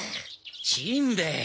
・しんべヱ。